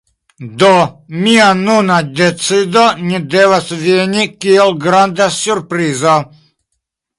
Do, mia nuna decido ne devas veni kiel granda surprizo.